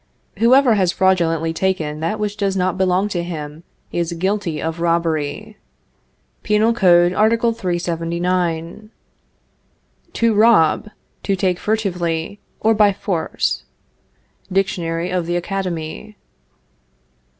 Whoever has fraudulently taken that which does not belong to him, is guilty of robbery. (Penal Code, Art. 379.) To rob: To take furtively, or by force. (_Dictionary of the Academy.